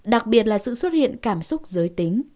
đặc biệt là sự xuất hiện cảm xúc giới tính